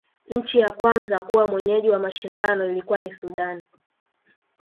nchi ya kwanza kuwa mwenyeji wa mashindano ilikua ni sudan